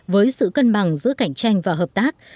với sự cân bằng giữa cạnh tranh và hợp tác